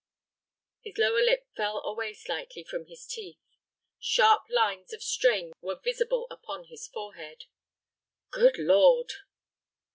His lower lip fell away slightly from his teeth. Sharp lines of strain were visible upon his forehead. "Good Lord!"